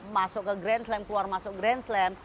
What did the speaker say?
masuk ke grand slam keluar masuk grand slam